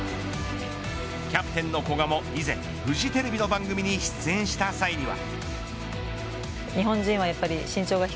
キャプテンの古賀も以前、フジテレビの番組に出演した際には。